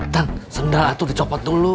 tang sendal atur dicopot dulu